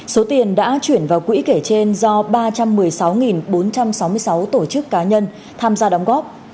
số tiền đã chuyển vào quỹ kể trên do ba trăm một mươi sáu bốn trăm sáu mươi sáu tổ chức cá nhân tham gia đóng góp